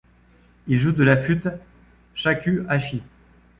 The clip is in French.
Il joue de la flûte shakuhachi.